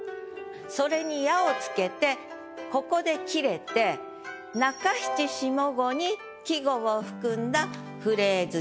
それに「や」を付けてここで切れて中七下五に季語を含んだフレーズ